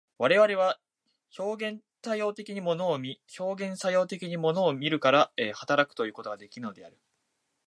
我々は表現作用的に物を見、表現作用的に物を見るから働くということができるのである。